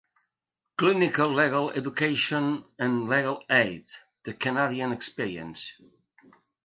"Clinical Legal Education and Legal Aid: The Canadian Experience."